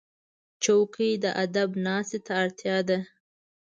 چوکۍ د ادب ناستې ته اړتیا ده.